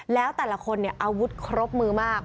แล้วแต่ละคนเนี่ยอาวุธครบมือมาก